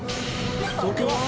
東京は？